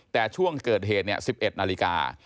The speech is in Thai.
แต่ช่วงเกิดเหตุ๑๑นาฬิกา